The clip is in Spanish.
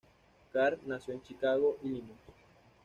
Carr nació en Chicago, Illinois.